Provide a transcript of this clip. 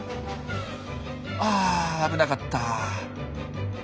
あ危なかった。